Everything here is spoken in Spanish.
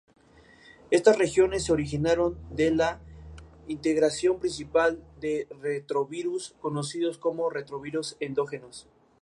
Estas regiones se originaron de la integración principalmente de retrovirus, conocidos como retrovirus endógenos.